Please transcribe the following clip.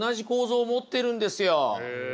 へえ。